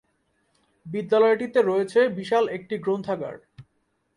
বিদ্যালয়টিতে রয়েছে বিশাল একটি গ্রন্থাগার।